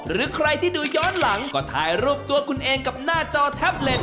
หรือใครที่ดูย้อนหลังก็ถ่ายรูปตัวคุณเองกับหน้าจอแท็บเล็ต